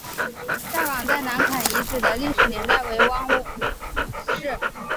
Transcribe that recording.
下岗再南坎沿遗址的历史年代为唐汪式。